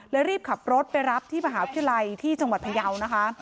รีบขับรถไปรับที่มหาวิทยาลัยที่จังหวัดพยาวนะคะ